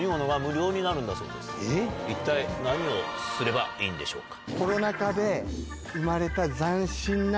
一体何をすればいいんでしょうか？